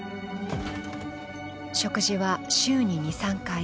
食事は週に２３回。